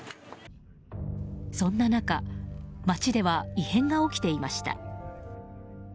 そんな中街では異変が起きていました。